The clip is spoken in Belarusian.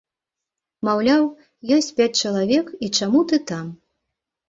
Маўляў, ёсць пяць чалавек і чаму ты там?